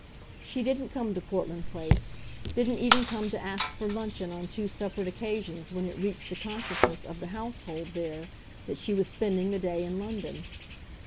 She didn't come to Portland Place didn't even come to ask for luncheon on two separate occasions when it reached the consciousness of the household there that she was spending the day in London.